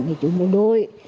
thì chủ một đôi